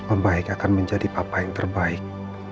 om baik akan menjadi papa yang terbaik